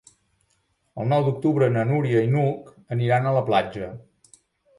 El nou d'octubre na Núria i n'Hug aniran a la platja.